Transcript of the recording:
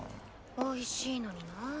おいしいのになぁ。